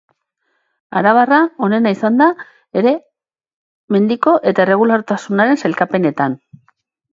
Arabarra onena izan da ere mendiko eta erregulartasunaren sailkapenetan.